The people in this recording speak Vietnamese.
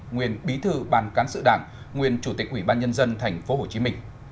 nguyên bí thư ban cán sự đảng nguyên chủ tịch ủy ban nhân dân tp hcm